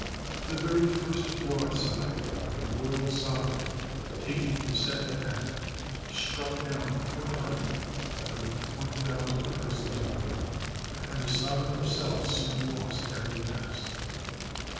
The very first broadside of the Royal Sovereign, taking the Santa Ana, struck down 400 out of the 1000 persons aboard; and the Sovereign herself soon lost every mast.